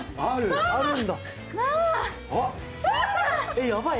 えっやばい！